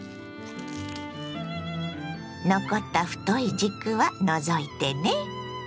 残った太い軸は除いてね。